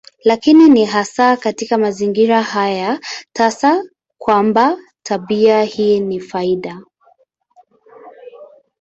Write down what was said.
Lakini ni hasa katika mazingira haya tasa kwamba tabia hii ni faida.